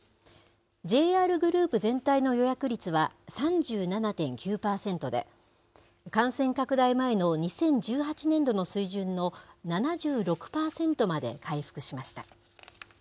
ＪＲグループ全体の予約率は３７．９％で、感染拡大前の２０１８年度の水準の７６％まで回復しました。